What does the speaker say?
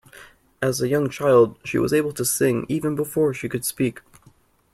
As a young child she was able to sing even before she could speak